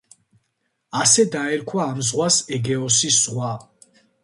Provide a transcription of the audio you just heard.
ასე დაერქვა ამ ზღვას ეგეოსის ზღვა.